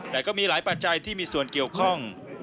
แต่ก็มีหลายปัจจัยที่มีส่วนเกี่ยวข้อง